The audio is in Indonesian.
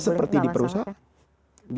ya seperti di perusahaan